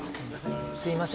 すいません。